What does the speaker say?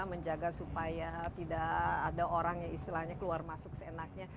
menjaga supaya tidak ada orangnya istilahnya keluar masuk seenaknya